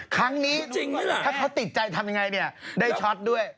ครั้งนี้จริงไหมล่ะถ้าเขาติดใจทำยังไงเนี่ยได้ช็อตด้วย